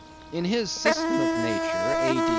In his System of Nature, A.D.